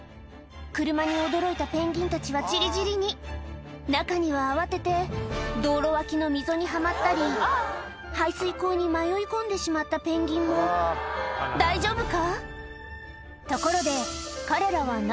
車に驚いたペンギンたちは中には慌てて道路脇の溝にはまったり排水溝に迷い込んでしまったペンギンも大丈夫か？